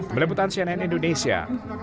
melebutan cnn indonesia